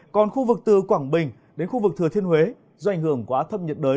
còn khu vực từ quảng bình đến khu vực thừa thiên huế do ảnh hưởng quá thấp nhiệt đới